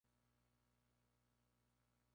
Se convirtió posteriormente en comando.